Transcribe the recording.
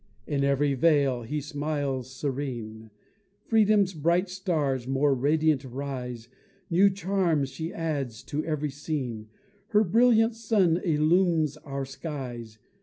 In every vale she smiles serene, Freedom's bright stars more radiant rise, New charms she adds to every scene, Her brighter sun illumes our skies.